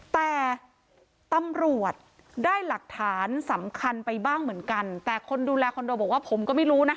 แต่ตำรวจได้หลักฐานสำคัญไปบ้างเหมือนกันแต่คนดูแลคอนโดบอกว่าผมก็ไม่รู้นะ